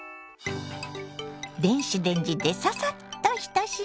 電子レンジでササッと１品。